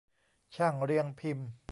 ช่างเรียงพิมพ์